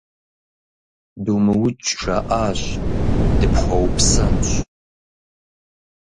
Думыукӏ, - жаӏащ,- дыпхуэупсэнщ.